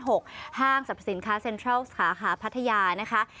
ห้างสรรพสินค้าเซ็นทรัลสาขาพัทยานะคะ